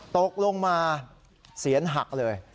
ตกลงมาเสียนหักเลย